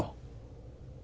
thì một là họ quá nhỏ